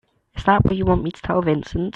Is that what you want me to tell Vincent?